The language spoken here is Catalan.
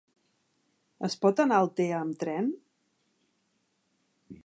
Es pot anar a Altea amb tren?